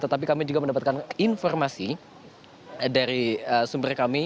tetapi kami juga mendapatkan informasi dari sumber kami